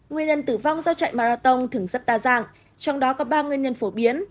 nguyên nhân tử vong do chạy marathon thường rất đa dạng trong đó có ba nguyên nhân phổ biến